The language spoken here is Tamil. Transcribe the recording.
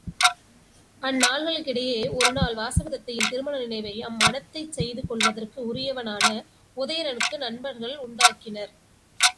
அந்நாள்களிடையே ஒருநாள் வாசவதத்தையின் திருமண நினைவை அம் மணத்தைச் செய்து கொள்வதற்கு உரியவனான உதயணனுக்கு நண்பர்கள் உண்டாக்கினர்.